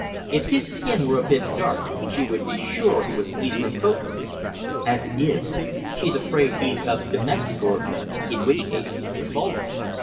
If his skin were a bit dark, she would be sure he was an Eastern potentate; as it, she's afraid he's of domestic origin, in which case he's vulgar.